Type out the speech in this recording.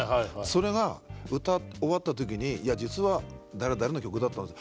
それが歌い終わった時にいや実は誰々の曲だったんです。